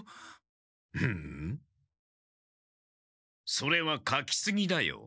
それはかきすぎだよ。